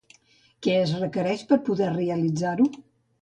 Què es requereix per poder realitzar-ho?